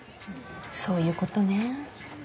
そういうことね。